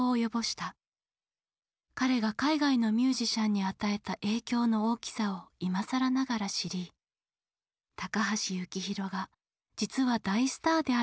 彼が海外のミュージシャンに与えた影響の大きさを今更ながら知り高橋幸宏が実は大スターであることが判明した。